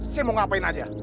saya mau ngapain aja